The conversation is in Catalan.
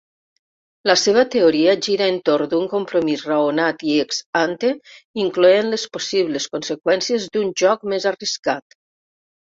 La seva teoria gira entorn d'un compromís raonat i ex-ante, incloent les possibles conseqüències d'un joc més arriscat.